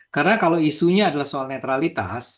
karena kalau isunya adalah soal netralitas